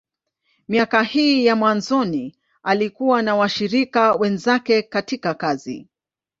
Miaka hii ya mwanzoni, alikuwa na washirika wenzake katika kazi.